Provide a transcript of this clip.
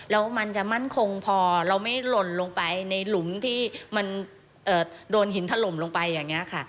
แล้วมันจะมั่นคงพอเราไม่หล่นลงไปในหลุมที่มันโดนหินถล่มลงไปอย่างนี้ค่ะ